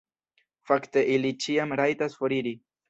Fakte ili ĉiam rajtas foriri.